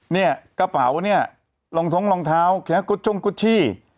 เนี่ยกระเป๋าเนี่ยรองท้องรองเท้าแคช่งกุชชี่